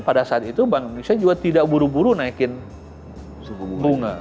pada saat itu bank indonesia juga tidak buru buru naikin suku bunga